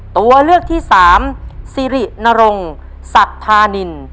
ตัวเลือกที่สามซิรินรงค์สัตว์ธานิน